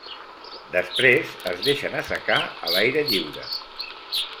Després es deixen assecar a l’aire lliure.